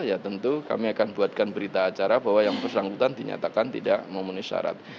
ya tentu kami akan buatkan berita acara bahwa yang bersangkutan dinyatakan tidak memenuhi syarat